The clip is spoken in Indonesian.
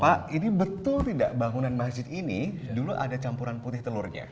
pak ini betul tidak bangunan masjid ini dulu ada campuran putih telurnya